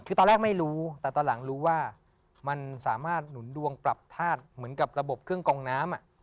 คือตอนแรกไม่รู้แต่ตอนหลังรู้ว่ามันสามารถหนุนดวงปรับธาตุเหมือนกับระบบเครื่องกองน้ำ